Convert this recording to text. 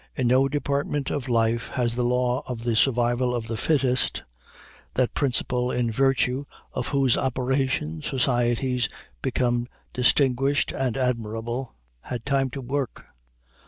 In no department of life has the law of the survival of the fittest, that principle in virtue of whose operation societies become distinguished and admirable, had time to work.